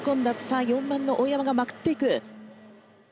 さあ４番の大山がまくっていく。